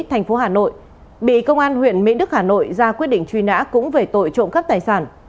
thành phố hà nội bị công an huyện mỹ đức hà nội ra quyết định truy nã cũng về tội trộm cắp tài sản